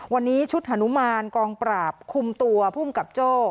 วันนี้ชุดฮานุมานกองปราบคุมตัวภูมิกับโจ้